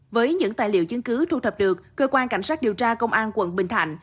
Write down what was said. với những tài liệu chứng cứ thu thập được cơ quan cảnh sát điều tra công an quận bình thạnh